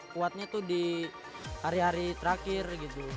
kuatnya tuh di hari hari terakhir gitu